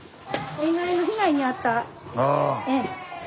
塩害の被害に遭ったええ